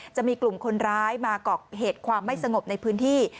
จะมีกลุ่มคนร้ายมาเกาะเหตุความไม่สงบในพื้นที่